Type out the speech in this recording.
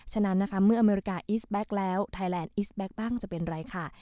ฉะนั้นนะคะเมื่ออเมริกาอิสแบ็คแล้วไทยแลนดอีสแบ็คบ้างจะเป็นไรค่ะ